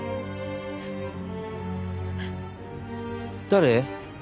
誰？